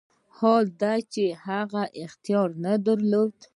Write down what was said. حال دا چې هغه اختیار نه درلود.